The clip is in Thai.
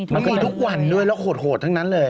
มันก็จะทุกวันด้วยแล้วโหดทั้งนั้นเลย